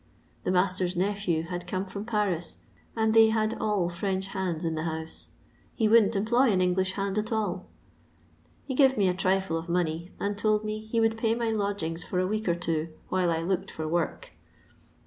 The master's nephew had come from Paris, and they had all French hands in the house. He wouldn't employ an English hand at all. He give me a trifle of money, and told me he would pay my lodgings for a week or two while I looked fur work.